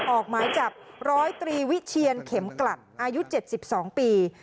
ออกหมายจับร้อยตรีวิเชียนเข็มกลัดอายุ๗๒ปี